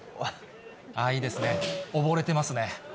いいですね、溺れてますね。